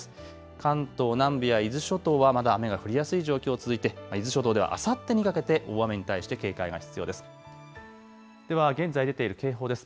関東南部や伊豆諸島はまだ雨が降りやすい状況続いて、伊豆諸島ではあさってにかけて大雨に対して警戒が必要です。